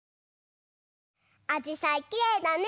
あじさいきれいだね。